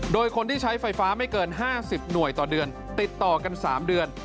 โดยคนที่ใช้ไฟฟ้าไม่เกิน๕๐หน่วยต่อเดือนติดต่อกัน๓เดือน